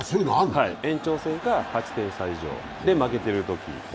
延長戦が８点差以上で負けているとき。